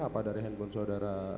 atau dari handphone saudara